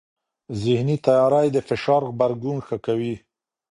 ذهني تیاری د فشار غبرګون ښه کوي.